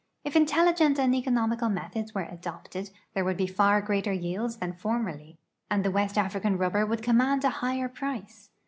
If intelligent and economical methods were adopted, there would be far greater yields than formerly, and the west African rubber would command a higher price.